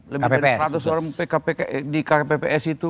lebih dari seratus orang di kpps itu